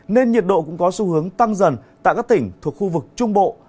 nên nhiệt độ cũng có xu hướng tăng dần tại các tỉnh thuộc khu vực trung bộ